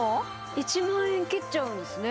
１万円切っちゃうんですね